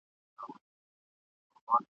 مشوره له چا؟ ..